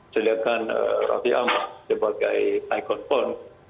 sedangkan raffi amar sebagai icon pon